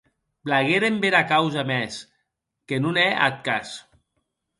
Blaguèren bèra causa mès, que non hè ath cas.